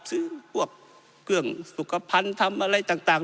พวกเครื่องสุขภัณฑ์ทำอะไรต่าง